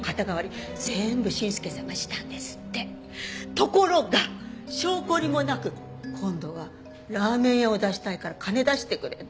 ところが性懲りもなく今度はラーメン屋を出したいから金出してくれって。